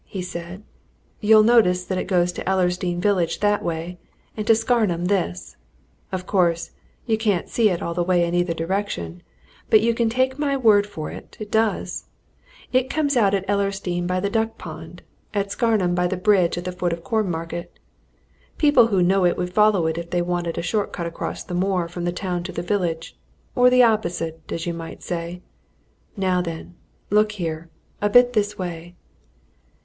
he said. "You'll notice that it goes to Ellersdeane village that way, and to Scarnham this. Of course, you can't see it all the way in either direction, but you can take my word for it it does. It comes out at Ellersdeane by the duck pond, at Scarnham by the bridge at the foot of Cornmarket. People who know it would follow it if they wanted a short cut across the moor from the town to the village or the opposite, as you might say. Now then, look here a bit this way."